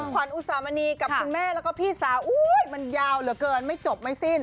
ขวัญอุสามณีกับคุณแม่แล้วก็พี่สาวอุ้ยมันยาวเหลือเกินไม่จบไม่สิ้น